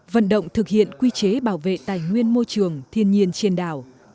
vận động thực hiện quy chế bảo vệ tài nguyên môi trường thiên nhiên trên đảo